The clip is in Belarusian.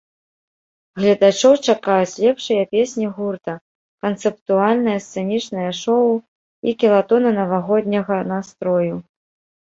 Гледачоў чакаюць лепшыя песні гурта, канцэптуальнае сцэнічнае шоў і кілатоны навагодняга настрою.